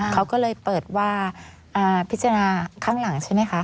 เขาก็เลยเปิดว่าพิจารณาข้างหลังใช่ไหมคะ